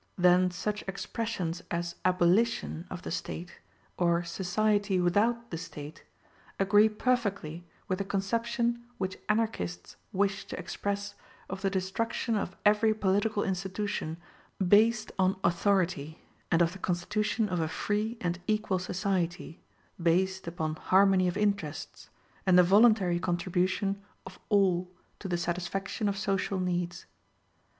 Then such expressions as abolition of the State, or society without the State, agree perfectly with the conception which Anarchists wish to express of the destruction of every political institution based on authority, and of the constitution of a free and equal society, based upon harmony of interests, and the voluntary contribution of all to the satisfaction of social needs.